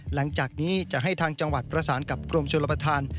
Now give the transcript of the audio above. หลังจากนี้จะให้ทางจังหวัดประสานกับกรมชนรับประทาน